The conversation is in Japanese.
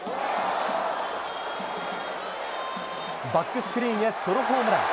バックスクリーンへソロホームラン。